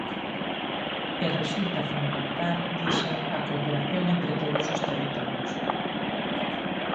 E resulta fundamental, dixo, a cooperación entre todos os territorios.